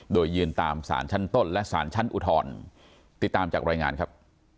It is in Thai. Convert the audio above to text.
โดยยืนตามสารชั้นต้นและสารชั้นอุทธรติดตามจากรายงานครับ